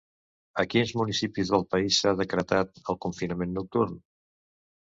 A quins municipis del país s’ha decretat el confinament nocturn?